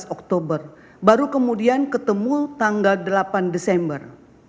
dua ribu empat belas oktober baru kemudian ketemu tanggal delapan desember